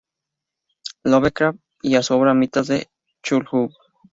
Lovecraft y a su obra Mitos de Cthulhu.